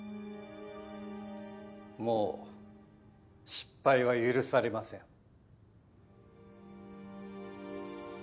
もう失敗は許されません